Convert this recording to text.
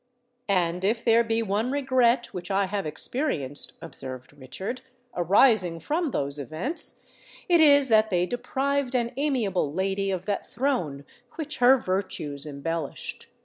"And if there be one regret which I have experienced," observed Richard, "arising from those events, it is that they deprived an amiable lady of that throne which her virtues embellished.